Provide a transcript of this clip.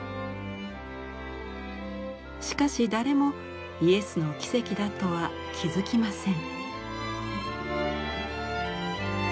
しかし誰もイエスの奇跡だとは気付きません。